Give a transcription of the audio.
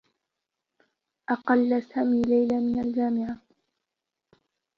أقلّ سامي ليلى من الجامعة.